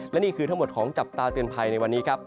และนี่คือทั้งหมดของจับตาเตือนภัยในวันนี้ครับ